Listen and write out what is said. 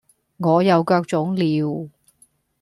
我又腳腫了